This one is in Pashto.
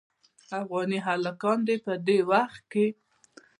افغاني هلکان دې په دې وخت کې.